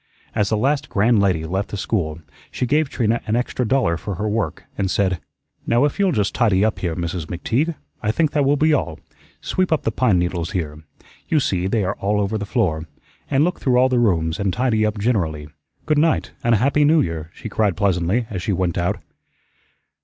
As the last grand lady left the school, she gave Trina an extra dollar for her work, and said: "Now, if you'll just tidy up here, Mrs. McTeague, I think that will be all. Sweep up the pine needles here you see they are all over the floor and look through all the rooms, and tidy up generally. Good night and a Happy New Year," she cried pleasantly as she went out.